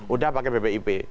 udah pakai bpip